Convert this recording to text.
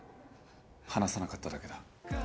話せなかっただけだ。